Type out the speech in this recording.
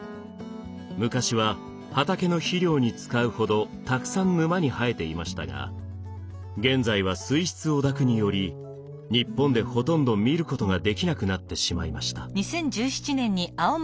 昔は畑の肥料に使うほどたくさん沼に生えていましたが現在は水質汚濁により日本でほとんど見ることができなくなってしまいました。